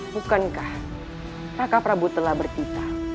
bukankah raka prabu telah berkita